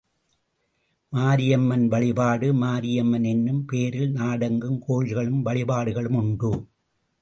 மாரியம்மன் வழிபாடு மாரியம்மன் என்னும் பெயரில் நாடெங்கும் கோயில்களும், வழிபாடுகளும் உண்டு.